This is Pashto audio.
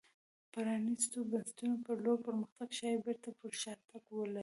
پرانېستو بنسټونو په لور پرمختګ ښايي بېرته پر شا تګ ولري.